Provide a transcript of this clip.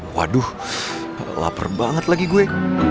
waduh lapar banget lagi gue